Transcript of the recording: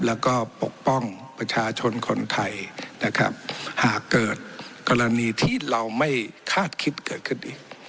แล้วก็ปกป้องประชาชนคนไทยนะครับหากเกิดกรณีที่เราไม่คาดคิดเกิดขึ้นอีก